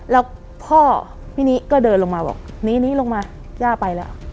แล้วพ่อพี่นี้ก็เดินลงมาบอกหนีนี้ลงมาย่าไปแล้ว